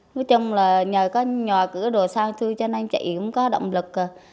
nói chung là nhờ có nhà cửa đồ sang xuôi cho nên chị cũng có động lực